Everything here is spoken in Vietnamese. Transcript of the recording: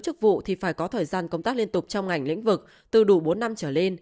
chức vụ thì phải có thời gian công tác liên tục trong ngành lĩnh vực từ đủ bốn năm trở lên